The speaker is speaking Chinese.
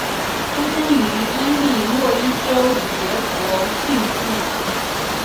出生于伊利诺伊州杰佛逊县。